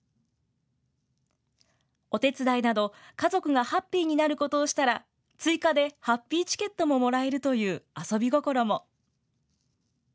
お手伝いなど、家族がハッピーになることをしたら、追加でハッピーチケットももらえるという遊び心も。